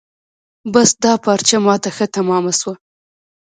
بس دا پارچه ما ته ښه تمامه شوه.